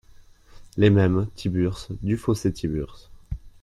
Les Mêmes, Tiburce, Dufausset Tiburce .